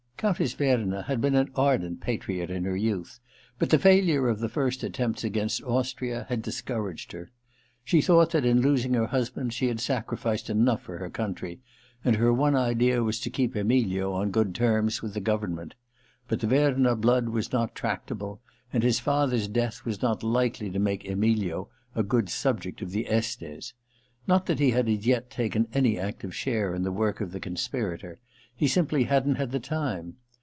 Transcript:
Countess Verna had been an ardent patriot in her youth, but the failure of the first attempts against Austria had discouraged her. She thought that in losing her husband she had sacrificed enough for her country, and her one idea was to keep Emilio on good terms with the government. But the Verna blood was not tractable, and his father's death was not likely to make Emilio a good subject of the Estes. Not that he had as yet taken any active share in the work of the conspirators : he simply hadn't had time.